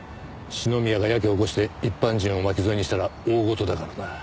四宮がやけを起こして一般人を巻き添えにしたら大事だからな。